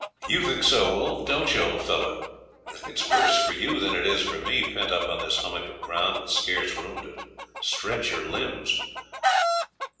You think so, Wolf, don't you, old fellow? And it is worse for you than it is for me, pent up on this hummock of ground with scarce room to stretch your limbs."